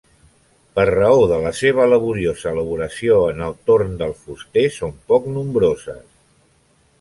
Per raó de la seva laboriosa elaboració en el torn del fuster són poc nombroses.